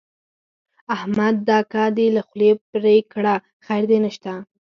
احمد ده که دې خوله پرې کړه؛ خير دې نه شته.